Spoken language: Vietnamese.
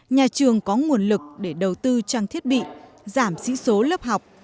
nhà trường có nguồn lực để đầu tư trang thiết bị giảm sĩ số lớp học